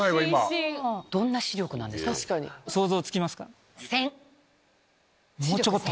想像つきますか？